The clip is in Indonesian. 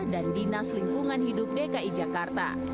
dan dinas lingkungan hidup dki jakarta